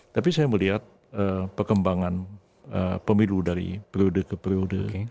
tapi saya melihat pekembangan pemilu dari pemilu